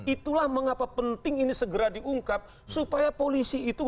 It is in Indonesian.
itulah mengapa penting ini segera diungkap supaya polisi itu